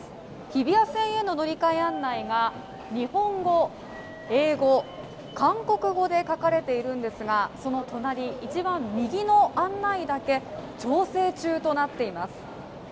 日比谷線への乗り換え案内が日本語、英語、韓国語で書かれているんですがその隣、一番右の案内だけ「調整中」となっています。